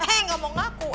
enggak mau ngaku